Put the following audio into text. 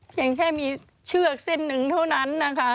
เพียงแค่มีเชือกเส้นหนึ่งเท่านั้นนะคะ